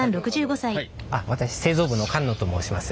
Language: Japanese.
私製造部の菅野と申します。